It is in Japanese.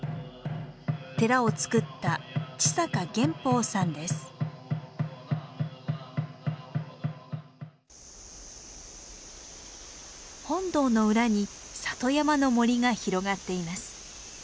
寺を作った本堂の裏に里山の森が広がっています。